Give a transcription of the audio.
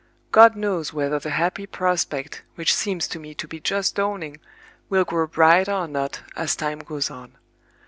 God knows whether the happy prospect which seems to me to be just dawning will grow brighter or not as time goes on.